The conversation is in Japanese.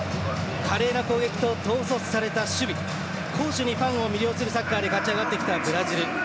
華麗な攻撃と統率された守備攻守にファンを魅了するサッカーで勝ち上がってきたブラジル。